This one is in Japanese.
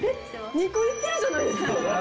２個行ってるじゃないですか！